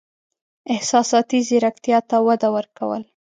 احساساتي زیرکتیا ته وده ورکول: